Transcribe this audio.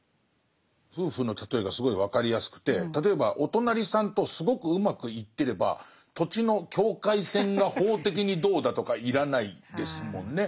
夫婦の例えがすごい分かりやすくて例えばお隣さんとすごくうまくいってれば土地の境界線が法的にどうだとか要らないですもんね。